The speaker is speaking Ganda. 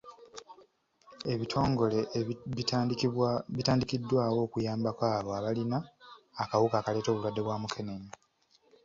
Ebitongole bitandikiddwawo okuyambako abo abalina akawuka akaleeta obulwadde bwa mukenenya.